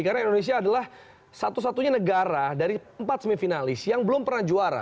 karena indonesia adalah satu satunya negara dari empat semifinalis yang belum pernah juara